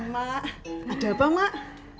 mak ada apa mak